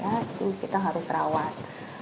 itu kita harus rawat